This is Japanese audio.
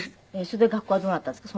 それで学校はどうなったんですか？